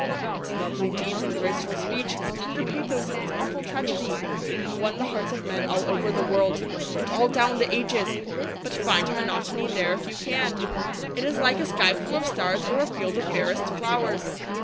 Its lovely deeds and graceful speech, its tender pathos and its awful tragedy, have won the hearts of men all over the world, and all down the ages. But find monotony there if you can! It is like a sky full of stars or a field of fairest flowers.